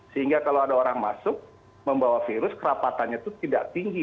sehingga kalau ada orang masuk membawa virus kerapatannya itu tidak tinggi